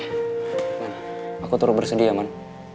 raman aku terus bersedia raman